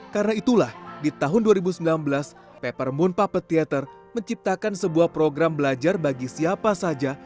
karena itulah di tahun dua ribu sembilan belas peppermint puppet theatre menciptakan sebuah program belajar bagi siapa saja